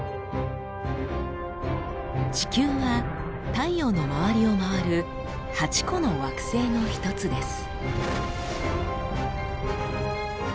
地球は太陽の周りを回る８個の惑星の１つです。